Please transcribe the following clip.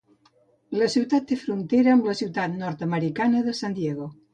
La ciutat té frontera amb la ciutat nord-americana de San Diego.